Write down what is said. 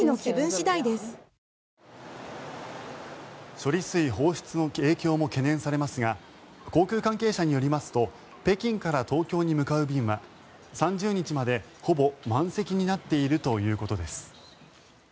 処理水放出の影響も懸念されますが航空関係者によりますと北京から東京に向かう便は３０日までほぼ満席になっているということです。